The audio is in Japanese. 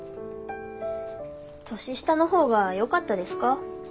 年下の方がよかったですか？